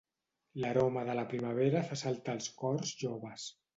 L'aroma de la primavera fa saltar els cors joves.